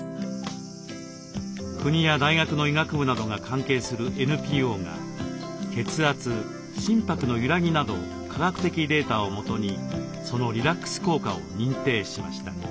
国や大学の医学部などが関係するＮＰＯが血圧心拍の揺らぎなど科学的データをもとにそのリラックス効果を認定しました。